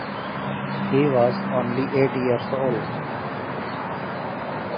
He was only eight years old.